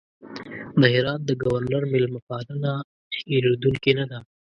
د هرات د ګورنر مېلمه پالنه هېرېدونکې نه ده.